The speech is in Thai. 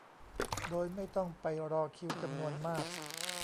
โดยไม่ต้องไปรอคิวจำนวนมาก